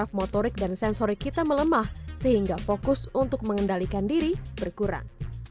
motorik dan sensori kita melemah sehingga fokus untuk mengendalikan diri berkurang